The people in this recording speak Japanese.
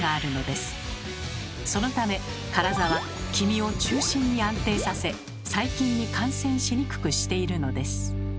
そのためカラザは黄身を中心に安定させ細菌に感染しにくくしているのです。